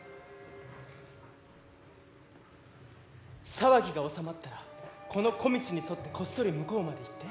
騒ぎが収まったらこの小道に沿ってこっそり向こうまで行って。